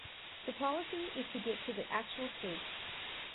The policy is to get to the actual truth.